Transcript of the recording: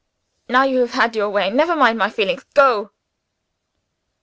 Now you have had your way, never mind my feelings Go!"